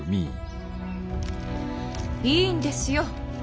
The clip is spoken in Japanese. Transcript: いいんですよ。